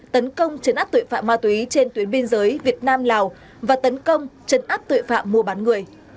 tấn công chấn át tuệ phạm ma túy trên tuyến biên giới việt nam lào và tấn công chấn át tuệ phạm mua bán người